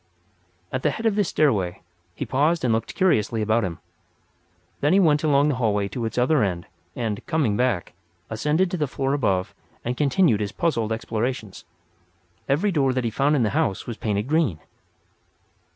At the head of the stairway he paused and looked curiously about him. And then he went along the hallway to its other end; and, coming back, ascended to the floor above and continued his puzzled explorations. Every door that he found in the house was painted green.